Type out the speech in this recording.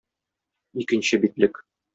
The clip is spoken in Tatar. Икенче битлек.